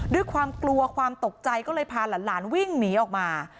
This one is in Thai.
ด้วยความกลัวความตกใจก็เลยพาหลานวิ่งหนีออกมา